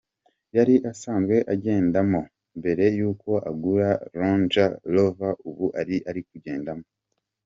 yari asanzwe agendamo mbere y’uko agura Ronger Rover ubu ariyo arikugendamo.